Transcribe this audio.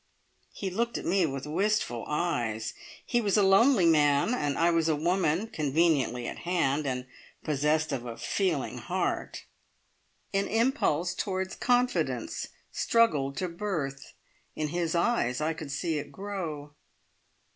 He looked at me with wistful eyes. He was a lonely man, and I was a woman, conveniently at hand, and possessed of a "feeling heart". An impulse towards confidence struggled to birth. In his eyes I could see it grow.